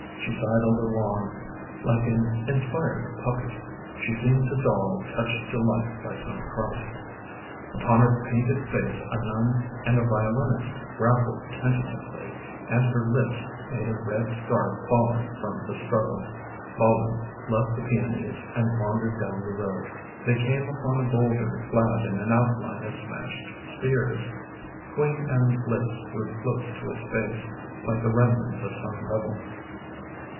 She sidled along like an inspired puppet — she seemed a doll touched to life by some Christ. Upon her painted face a nun and a violinist grappled tentatively and her lips made a red scarf fallen from the struggle. Bolin left the peonies and wandered down the road. They came upon a boulder clad in an outline of smashed spears. Queen Anne's Lace grew close to its base, like the remnants of some revel.